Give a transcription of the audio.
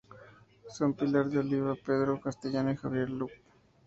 Son Pilar de la Oliva, Pedro Castellano y Javier Lluc.